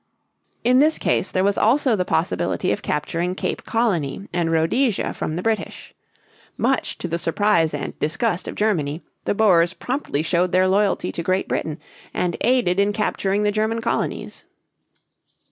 In this case there was also the possibility of capturing Cape Colony and Rhodesia from the British. Much to the surprise and disgust of Germany, the Boers promptly showed their loyalty to Great Britain and aided in capturing the German colonies.